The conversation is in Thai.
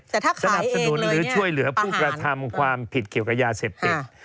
สนับสนุนหรือช่วยเหลือผู้กระทำความผิดเกี่ยวกับยาเสพติด